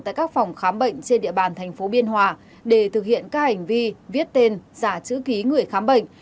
tại các phòng khám bệnh trên địa bàn thành phố biên hòa để thực hiện các hành vi viết tên giả chữ ký người khám bệnh